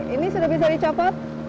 ini sudah bisa dicopot